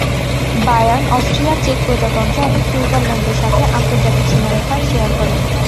Bayern Austria, চেক প্রজাতন্ত্র এবং সুইজারল্যান্ডের সাথে আন্তর্জাতিক সীমারেখা শেয়ার করে।